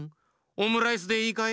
オムライスでいいかい？